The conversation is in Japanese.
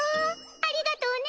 ありがとうね！